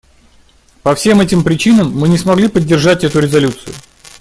По всем этим причинам мы не смогли поддержать эту резолюцию.